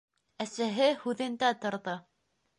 Әсәһе һүҙендә торҙо.